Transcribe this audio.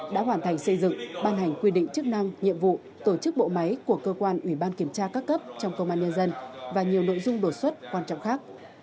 đã hoàn thành xây dựng ban hành quy định chức năng nhiệm vụ tổ chức bộ máy của cơ quan ủy ban kiểm tra các cấp trong công an nhân dân và nhiều nội dung đột xuất quan trọng khác